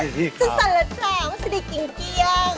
ถูงใส่เหรอจ๊ะมันจะได้กิงเกียง